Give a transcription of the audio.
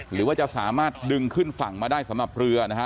หรือว่าจะสามารถดึงขึ้นฝั่งมาได้สำหรับเรือนะฮะ